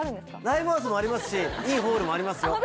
ライブハウスもありますしいいホールもありますよ